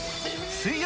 水曜